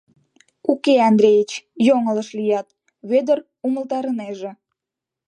— Уке, Андрейыч, йоҥылыш лият, — Вӧдыр умылтарынеже.